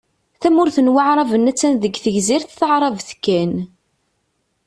Tamurt n Waεraben attan deg Tegzirt Taεrabt kan.